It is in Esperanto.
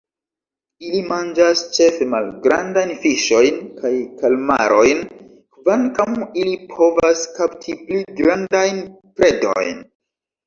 Ili manĝas ĉefe malgrandajn fiŝojn kaj kalmarojn, kvankam ili povas kapti pli grandajn predojn.